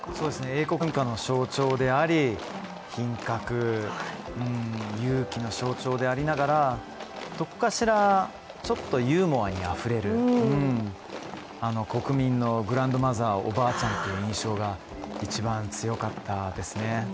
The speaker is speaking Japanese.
英国文化の象徴であり、品格、勇気の象徴でありながらどこかしら、ちょっとユーモアにあふれる、国民のグランドマザー、おばあちゃんという印象が一番強かったですね。